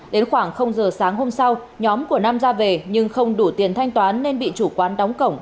đến khoảng giờ sáng hôm sau nhóm của nam ra về nhưng không đủ tiền thanh toán nên bị chủ quán đóng cổng